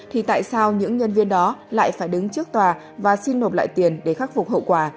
thì tại sao những nhân viên đó lại phải đứng trước tòa và xin nộp lại tiền để khắc phục hậu quả